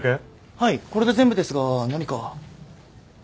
はいこれで全部ですが何か？